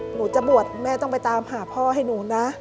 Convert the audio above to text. หนูจะบวชแม่ต้องไปตามหาพ่อให้หนูนะ